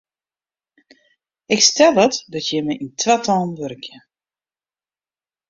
Ik stel út dat jimme yn twatallen wurkje.